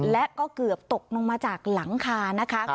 และก็เกือบตกลงมาจากหลังคานะคะ